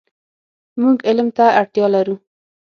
مونږ علم ته اړتیا لرو .